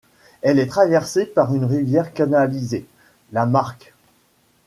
Elle est traversée par une rivière canalisée, la Marque.